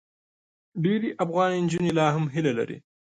ډېری افغان نجونې لا هم هیله لري.